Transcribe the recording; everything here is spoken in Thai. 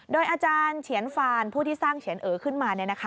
โดยอาจารย์เฉียนฟานผู้ที่สร้างเฉียนเอ๋ขึ้นมา